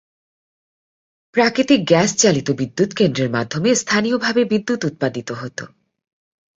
প্রাকৃতিক গ্যাস-চালিত বিদ্যুৎ কেন্দ্রের মাধ্যমে স্থানীয়ভাবে বিদ্যুৎ উৎপাদিত হতো।